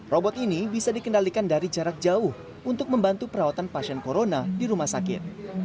robot ini bisa dikendalikan dari jarak jauh untuk membantu perawatan pasien corona di rumah sakit